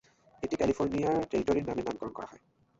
এটি ক্যালিফোর্নিয়া টেরিটরির নামে নামকরণ করা হয়।